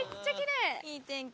いい天気。